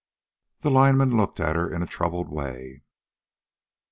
The lineman looked at her in a troubled way.